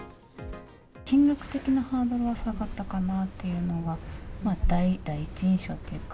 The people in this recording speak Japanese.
金額的なハードルは下がったかなっていうのが、第一印象っていうか。